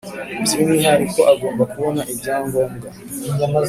by umwihariko agomba kubona ibyangombwa